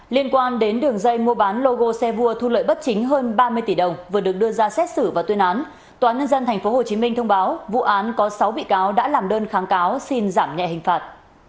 liên quan đến đường dây mua bán logo xe vua thu lợi bất chính hơn ba mươi tỷ đồng vừa được đưa ra xét xử và tuyên án tnthhcm thông báo vụ án có sáu bị cáo đã làm đơn kháng cáo xin giảm nhẹ hình phạt